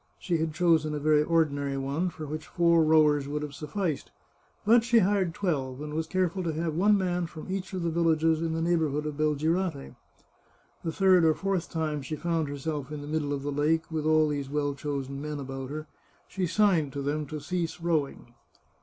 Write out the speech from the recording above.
She had chosen a very ordinary one, for which four rowers would have sufficed, but she hired twelve, and was careful to have one man from each of the villages in the neighbour hood of Belgirate. The third or fourth time she found her self in the middle of the lake, with all these well chosen men about her, she signed to them to cease rowing.